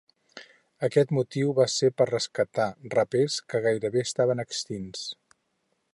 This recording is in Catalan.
Aquest motiu va ser per rescatar rapers que gairebé estaven extints.